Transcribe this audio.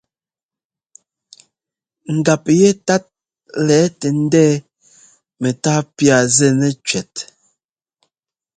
Ngap yɛtát lɛ̌ tɛ ndɛ̌ɛ mɛ́tá pía zɛnɛ cʉɛt.